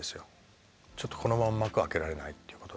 ちょっとこのまま幕開けられないということで。